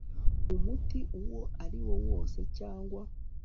umuti uwo ari wo wose cyangwa